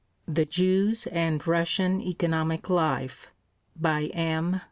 _ THE JEWS AND RUSSIAN ECONOMIC LIFE BY M.